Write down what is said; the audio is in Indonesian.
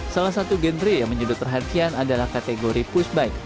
salah satu genre yang menjadi terhatian adalah kategori push bike